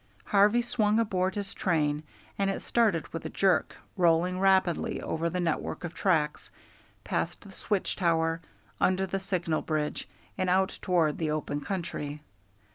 Harvey swung aboard his train and it started with a jerk, rolling rapidly over the network of tracks, past the switch tower, under the signal bridge, and out toward the open country.